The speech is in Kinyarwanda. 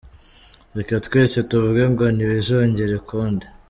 Reka twese tuvuge ngo ntibizongere ukundi.